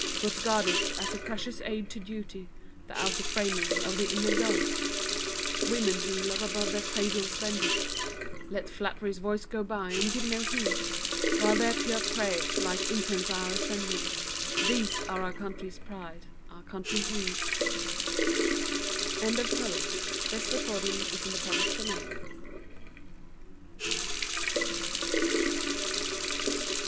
But guard it as a precious aid to duty— The outer framing of the inner gold; Women who, low above their cradles bending, Let flattery's voice go by, and give no heed, While their pure prayers like incense are ascending These are our country's pride, our country's need, PLEA TO SCIENCE O Science, reaching backward through